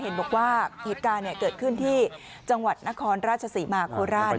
เห็นบอกว่าเหตุการณ์เกิดขึ้นที่จังหวัดนครราชศรีมาโคราช